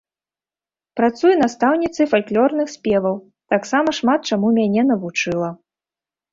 Працуе настаўніцай фальклорных спеваў, таксама шмат чаму мяне навучыла.